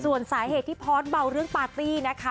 ส่วนสาเหตุที่พอร์ตเบาเรื่องปาร์ตี้นะคะ